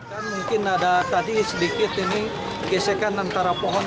dan mungkin ada tadi sedikit ini gesekan antara pohon